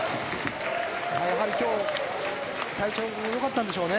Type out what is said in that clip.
やはり今日体調良かったんでしょうね。